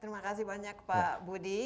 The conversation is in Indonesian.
terima kasih banyak pak budi